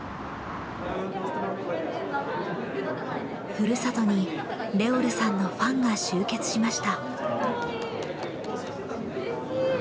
ふるさとにＲｅｏｌさんのファンが集結しました。